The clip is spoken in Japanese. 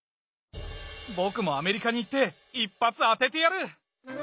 僕もアメリカに行って一発当ててやる！